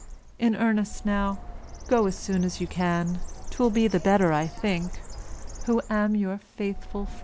In earnest now, go as soon as you can, 'twill be the better, I think, who am your faithful friend.